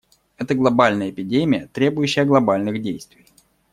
Это глобальная эпидемия, требующая глобальных действий.